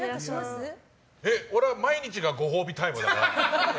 俺、毎日がご褒美タイムだな。